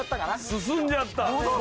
進んじゃった？